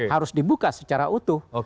harus dibuka secara utuh